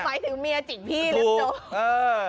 ใครถึงเมียจิกพี่เล็บจม